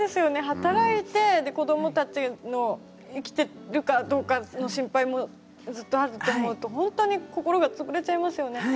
働いて子どもたちの生きてるかどうかの心配もずっとあると思うとほんとに心が潰れちゃいますよね。